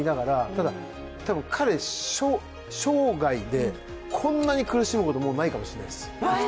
ただ、多分彼、生涯でこんなに苦しむこともうないかもしれないです。